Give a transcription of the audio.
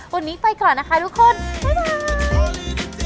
วันนี้ไปก่อนนะคะทุกคนบ๊ายบาย